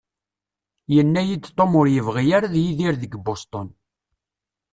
Yenna-iyi-d Tom ur yebɣi ara ad yidir deg Boston.